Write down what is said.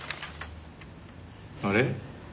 あれ？